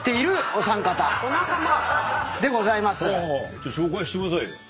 じゃあ紹介してくださいよ。